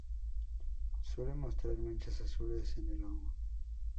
Suele mostrar manchas azules en el lomo.